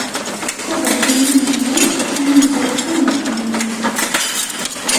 Ḥadret iman-nwen, a inezzurfa n ddunit!